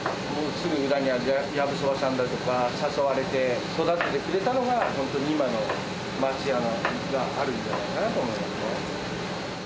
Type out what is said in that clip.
すぐ裏にはやぶそばさんだとか、誘われて、育ててくれたのが、本当に今のまつやがあるんじゃないかなと思います。